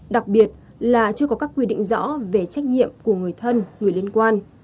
đặc biệt là chưa có các quy định rõ về trách nhiệm của người thân người liên quan